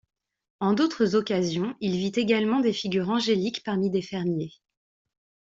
En d'autres occasions, il vit également des figures angéliques parmi des fermiers.